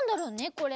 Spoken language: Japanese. これ。